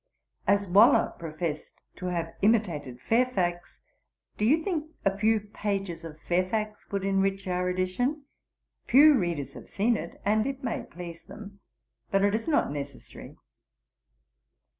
'As Waller professed to have imitated Fairfax, do you think a few pages of Fairfax would enrich our edition? Few readers have seen it, and it may please them. But it is not necessary.'